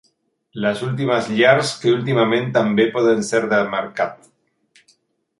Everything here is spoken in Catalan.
Les últimes llars, que últimament també poden ser de mercat.